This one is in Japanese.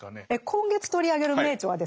今月取り上げる名著はですね